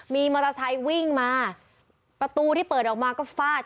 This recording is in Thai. มีมอเตอร์ไซค์วิ่งมาประตูที่เปิดออกมาก็ฟาด